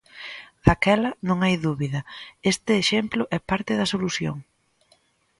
Daquela, non hai dúbida, este exemplo é parte da solución.